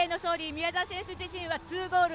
宮澤選手自身は２ゴール